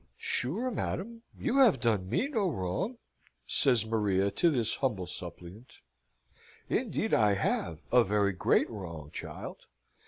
"Sure, madam, you have done me no wrong," says Maria to this humble suppliant. "Indeed, I have, a very great wrong, child!